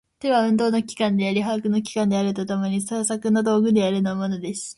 手は運動の機関であり把握の機関であると共に、製作の道具であるのである。